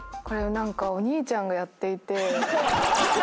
これ何かお兄ちゃんがやっていて。